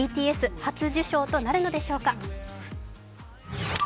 ＢＴＳ、初受賞となるのでしょうか。